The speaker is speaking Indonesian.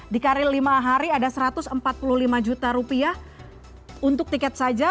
dikali lima hari ada rp satu ratus empat puluh lima untuk tiket saja